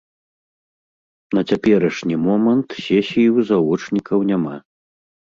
На цяперашні момант сесіі ў завочнікаў няма.